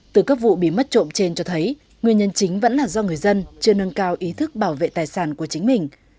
từ các vụ bị mất trộm trên cho thấy nguyên nhân chính vẫn là do người dân chưa nâng cao ý thức bảo vệ tài sản của chính mình